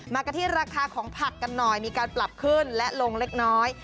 มากันที่ราคาของผักกันหน่อยมีการปรับขึ้นและลงเล็กน้อย